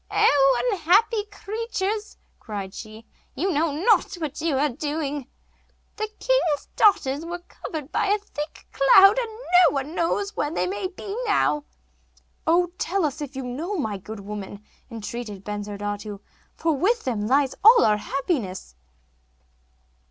'Oh, unhappy creatures,' cried she, 'you know not what you are doing! The king's daughters were covered by a thick cloud, and no one knows where they may now be.' 'Oh, tell us, if you know, my good woman,' entreated Bensurdatu, 'for with them lies all our happiness.